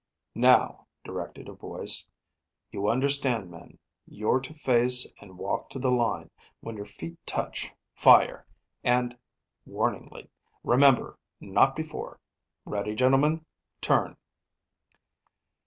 "Now," directed a voice. "You understand, men. You're to face and walk to the line. When your feet touch fire; and," warningly "remember, not before. Ready, gentlemen. Turn."